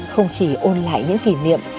không chỉ ôn lại những kỷ niệm